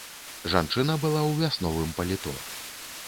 Жанчына была ў вясновым паліто.